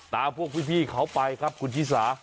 พวกพี่เขาไปครับคุณชิสา